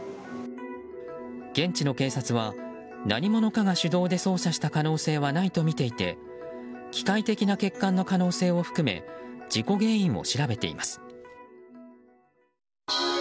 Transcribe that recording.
現地の警察は、何者かが手動で操作した可能性はないとみていて機械的な欠陥の可能性を含め事故原因を調べています。